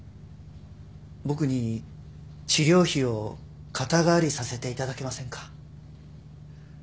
僕に治療費を肩代わりさせていただけませんか？